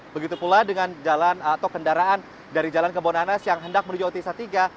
begitu pula dengan jalan atau kendaraan dari jalan kebunanas yang hendak menuju otis satika